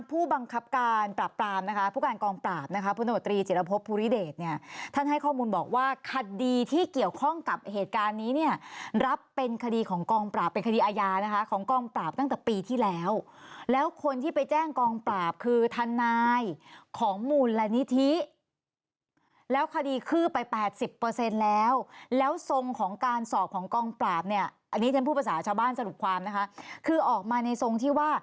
ผู้บังคับการปราบนะคะผู้การกองปราบนะคะพุทธนวตรีจิตรภพภูริเดชน์เนี่ยท่านให้ข้อมูลบอกว่าคดีที่เกี่ยวข้องกับเหตุการณ์นี้เนี่ยรับเป็นคดีของกองปราบเป็นคดีอาญานะคะของกองปราบตั้งแต่ปีที่แล้วแล้วคนที่ไปแจ้งกองปราบคือทานายของหมู่ลณิธิแล้วคดีขึ้นไป๘๐แล้วแล้วทรงของการสอบของ